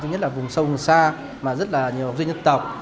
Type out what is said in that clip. chứ nhất là vùng sông xa mà rất là nhiều dân dân tộc